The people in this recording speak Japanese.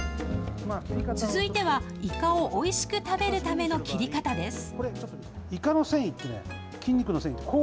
続いては、イカをおいしく食べるための切り方です。